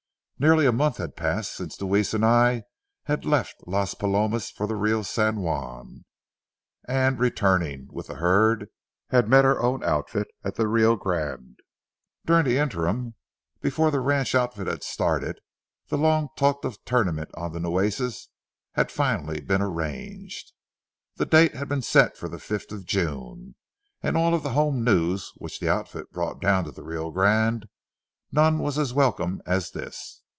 Nearly a month had passed since Deweese and I had left Las Palomas for the Rio San Juan, and, returning with the herd, had met our own outfit at the Rio Grande. During the interim, before the ranch outfit had started, the long talked of tournament on the Nueces had finally been arranged. The date had been set for the fifth of June, and of all the home news which the outfit brought down to the Rio Grande, none was as welcome as this.